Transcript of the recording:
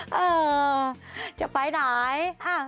เออจะไปไหน